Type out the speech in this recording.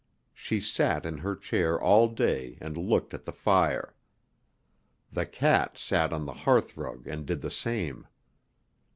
She sat in her chair all day and looked at the fire. The cat sat on the hearthrug and did the same.